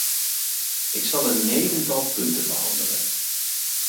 Ik zal een negental punten behandelen.